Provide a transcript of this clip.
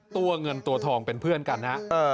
ตัวเงินตัวทองเป็นเพื่อนกันฮะ